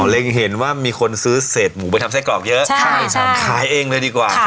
เล็งเห็นว่ามีคนซื้อเศษหมูไปทำไส้กรอกเยอะขายเองเลยดีกว่า